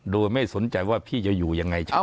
โดยไม่สนใจว่าพี่จะอยู่ยังไงใช่ไหม